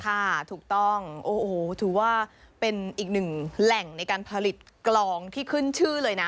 ถูกต้องโอ้โหถือว่าเป็นอีกหนึ่งแหล่งในการผลิตกลองที่ขึ้นชื่อเลยนะ